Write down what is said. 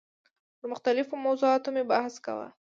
پر مختلفو موضوعاتو مو بحث کاوه.